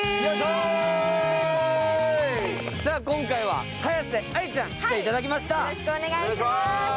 今回は速瀬愛ちゃん、来ていただきました。